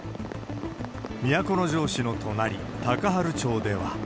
都城市の隣、高原町では。